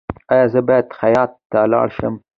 ایا زه باید خیاط ته لاړ شم؟